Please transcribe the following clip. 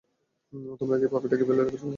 তোমরা কি পাপ্পিটাকে ফেলে রাখার জন্য নিয়েছ?